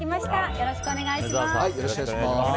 よろしくお願いします。